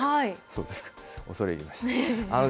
そうですか、恐れ入りました。